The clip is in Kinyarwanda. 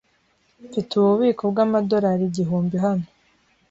Mfite ububiko bwamadorari igihumbi hano.